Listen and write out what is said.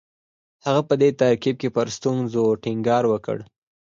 هغه په دې ترکیب کې پر ستونزو ټینګار وکړ